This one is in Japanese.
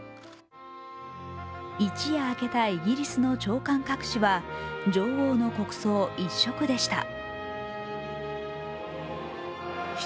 一夜明けたイギリスの朝刊各紙は、女王の国葬一色でした。